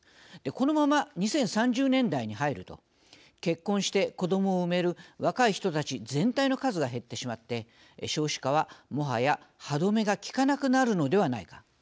このまま２０３０年代に入ると結婚して子どもを産める若い人たち全体の数が減ってしまって、少子化はもはや歯止めが利かなくなるのではないか。